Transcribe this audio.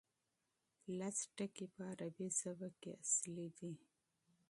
لس توري په عربي ژبه کې اصلي دي.